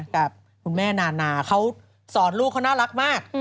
แต่คุณแม่นานาเขาสอนลูกเขาน่ารักมาก